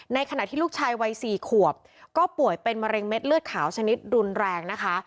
ขณะที่ลูกชายวัย๔ขวบก็ป่วยเป็นมะเร็งเด็ดเลือดขาวชนิดรุนแรงนะคะ